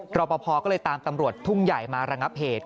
รอปภก็เลยตามตำรวจทุ่งใหญ่มาระงับเหตุ